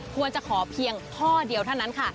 ควรจะขอเพียงข้อเดียวเท่านั้นค่ะ